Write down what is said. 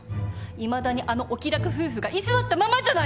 いまだにあのお気楽夫婦が居座ったままじゃないの！